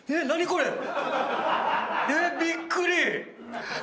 何これ⁉